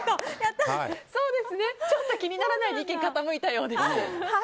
ちょっと気にならないに傾いたようです。